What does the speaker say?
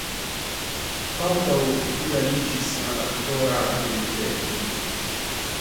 Baldaŭ li aliĝis al aktora agentejo.